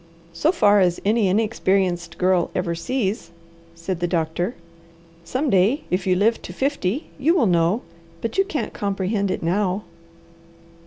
"So far as any inexperienced girl ever sees," said the doctor. "Some day if you live to fifty you will know, but you can't comprehend it now."